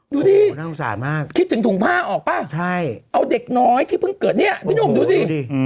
ดูดิน่าสงสารมากคิดถึงถุงผ้าออกป่ะใช่เอาเด็กน้อยที่เพิ่งเกิดเนี่ยพี่หนุ่มดูสิ